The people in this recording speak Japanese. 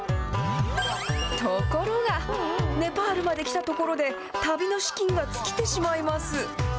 ところが、ネパールまで来たところで、旅の資金が尽きてしまいます。